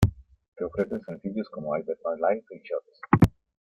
Que ofrece sencillos como "I Bet My Life" y "Shots".